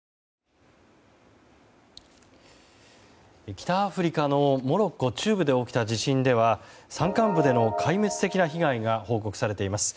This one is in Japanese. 北アフリカのモロッコ中部で起きた地震では山間部での壊滅的な被害が報告されています。